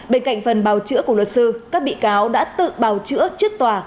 bên cạnh phần bào chữa của luật sư các bị cáo đã tự bào chữa trước tòa